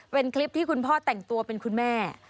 เป็นคลิปที่คุณพ่อแต่งตัวเป็นคุณแม่